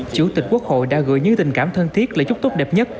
chủ tịch quốc hội đã gửi những tình cảm thân thiết lời chúc tốt đẹp nhất